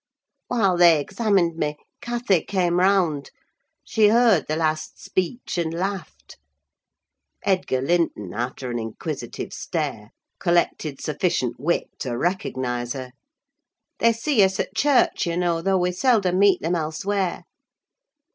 "While they examined me, Cathy came round; she heard the last speech, and laughed. Edgar Linton, after an inquisitive stare, collected sufficient wit to recognise her. They see us at church, you know, though we seldom meet them elsewhere.